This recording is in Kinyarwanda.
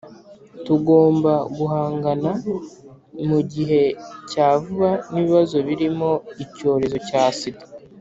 tugomba guhangana mu gihe cya vuba n'ibibazo birimo icyorezo cya sida,